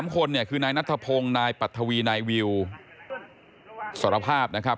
๓คนเนี่ยคือนายนัทพงศ์นายปัทวีนายวิวสารภาพนะครับ